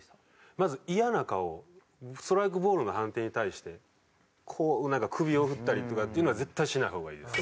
まず嫌な顔をストライクボールの判定に対してこうなんか首を振ったりとかっていうのは絶対しない方がいいです。